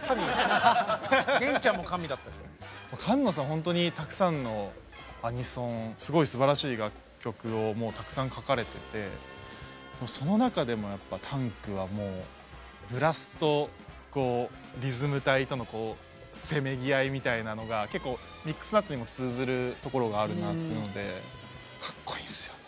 ほんとにたくさんのアニソンすごいすばらしい楽曲をもうたくさん書かれててその中でもやっぱ「Ｔａｎｋ！」はもうブラスとリズム隊とのせめぎ合いみたいなのが結構「ミックスナッツ」にも通ずるところがあるなっていうのでかっこいいんすよね。